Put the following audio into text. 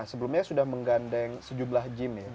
sebelumnya sudah menggandeng sejumlah gym ya